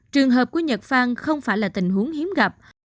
trường hợp của nhật phan không phải là tình huống hiếm gặp